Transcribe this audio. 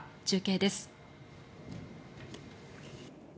中継です。